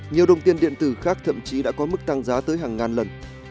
nhiều đồng tiền điện tử khác thậm chí đã có mức tăng giá tới hàng ngàn lần